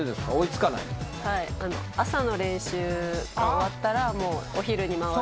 あの朝の練習が終わったらもうお昼に回して。